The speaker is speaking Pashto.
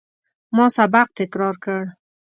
ما سبق تکرار کړ.